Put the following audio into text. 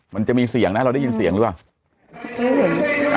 มันจะมีเสียงนะเราได้ยินเสียงหรือเปล่า